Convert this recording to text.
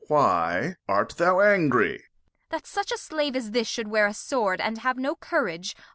Why art thou angry ? Kent. That such a Slave as this shou'd wear a Sword And have no Courage